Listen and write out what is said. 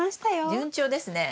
順調ですね。